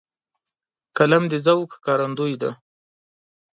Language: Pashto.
قلم د ذوق ښکارندوی دی